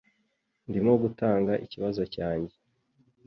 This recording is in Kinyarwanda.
Ndimo gutanga ikibazo cyanjye